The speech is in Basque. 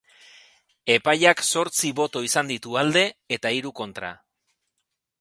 Epaiak zortzi boto izan ditu alde, eta hiru kontra.